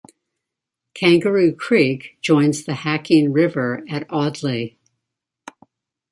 Kangaroo Creek joins the Hacking River at Audley.